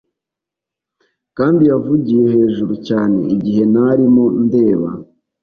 Kandi yavugiye hejuru cyane igihe ntarimo ndeba